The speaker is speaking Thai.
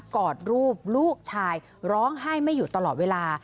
อดรูปลูกชายร้องไห้ไม่หยุดตลอดเวลา